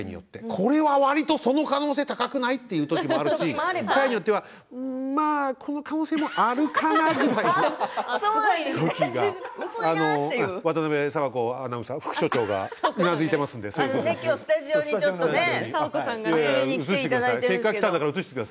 これはわりと、その可能性高くないというときもあるし回によってはまあこの可能性もあるかなというときがあって渡邊アナウンサー副署長がうなずいていますのでそうですね。